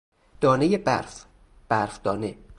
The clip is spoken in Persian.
دانهی برف، برف دانه